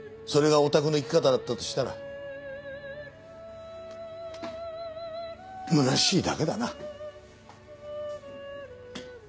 それがオタクの生き方だったとしたらむなしいだけだな。